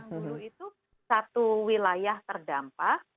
kalau yang dulu itu satu wilayah terdampak